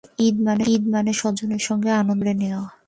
ঈদ মানে স্বজনের সঙ্গে আনন্দ ভাগ করে নেওয়া।